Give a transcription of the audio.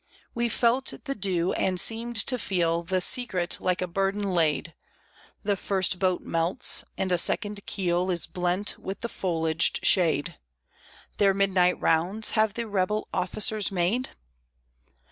We felt the dew, and seemed to feel The secret like a burden laid. The first boat melts; and a second keel Is blent with the foliaged shade Their midnight rounds have the rebel officers made?